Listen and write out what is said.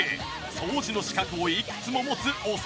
掃除の資格をいくつも持つお掃除芸人。